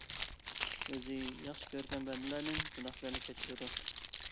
ئۆزى ياخشى كۆرگەن بەندىلەرنىڭ گۇناھلىرىنى كەچۈرىدۇ.